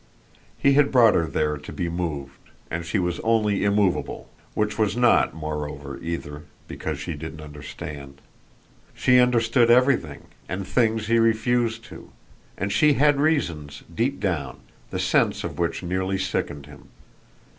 He had brought her there to be moved, and she was only immoveable which was not moreover, either, because she didn't understand. She understood everything, and things he refused to; and she had reasons, deep down, the sense of which nearly sickened him.